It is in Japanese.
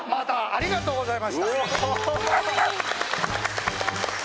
ありがとうございます。